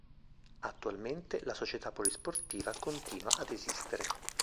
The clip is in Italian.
Attualmente la società polisportiva continua ad esistere.